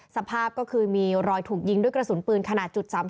สภาพก็คือมีรอยถูกยิงด้วยกระสุนปืนขนาด๓๘